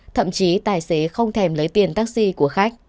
thậm chí tài xế không thèm lấy tiền taxi của khách